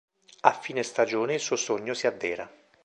A fine stagione il suo sogno si avvera.